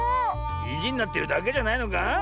いじになってるだけじゃないのか？